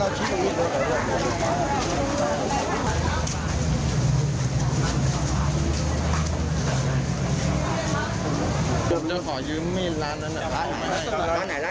ร้านขายน้ำแต่เขาไม่ให้แล้ว